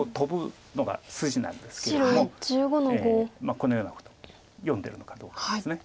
このようなことを読んでるのかどうかです。